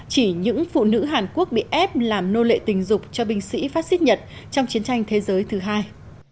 chỉ những phụ nữ hàn quốc bị ép làm nô lệ tình dục cho binh sĩ phát xít nhật trong chiến tranh thế giới thứ hai